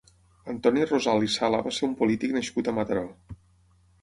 Antoni Rosal i Sala va ser un polític nascut a Mataró.